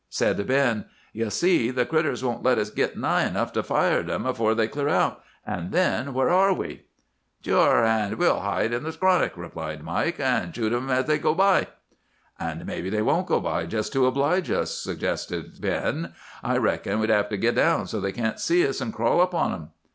Said Ben,— "'You see, the critters won't let us git nigh enough to fire at 'em afore they clear out; an' then where are we?' "'Sure, an' we'll hide in the skronnick,' replied Mike, 'an' shoot thim as they go by.' "'An' maybe they won't go by just to oblige us,' suggested Ben. 'I reckon we'll hev to git down, so's they can't see us, an' crawl up on 'em!"